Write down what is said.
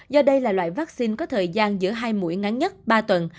do đây là loại vaccine có thời gian giữa hai mũi ngắn nhất ba tuần